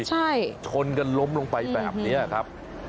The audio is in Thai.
ใช่ชนกันล้มลงไปแบบนี้ครับ